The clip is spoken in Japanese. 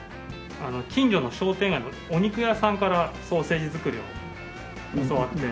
近所の商店街のお肉屋さんからソーセージ作りを教わって。